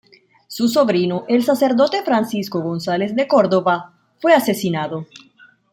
Su sobrino, el sacerdote Francisco González de Córdova fue asesinado.